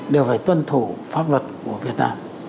đều phải tuân thủ pháp luật của việt nam